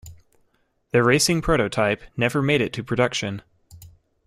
The racing prototype never made it to production.